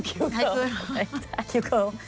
คิ้วเคิว